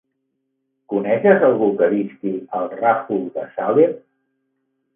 Coneixes algú que visqui al Ràfol de Salem?